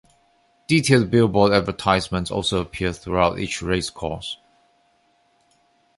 Detailed billboard advertisements also appear throughout each race course.